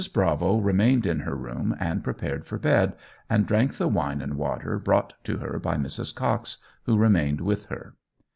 Bravo remained in her room and prepared for bed, and drank the wine and water brought to her by Mrs. Cox, who remained with her.